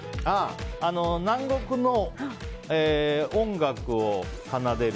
南国の音楽を奏でる。